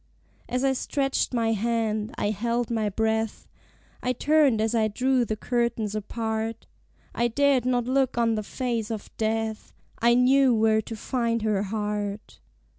As I stretched my hand, I held my breath; I turned as I drew the curtains apart: I dared not look on the face of death: I knew where to find her heart.